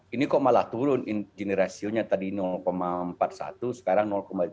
ini kok malah turun ini rasionya tadi empat puluh satu sekarang tiga puluh sembilan